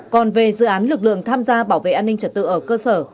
còn về dự án lực lượng tham gia bảo vệ an ninh trật tự ở cơ sở